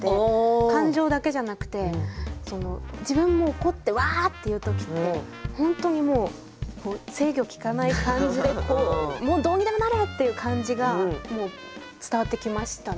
感情だけじゃなくて自分も怒ってワーッて言う時って本当にもう制御利かない感じでこうもうどうにでもなれ！っていう感じが伝わってきましたね。